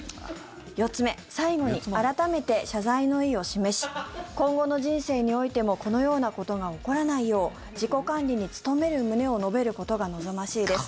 ４つ目、最後に改めて謝罪の意を示し今後の人生においてもこのようなことが起こらないよう自己管理に努める旨を述べることが望ましいです。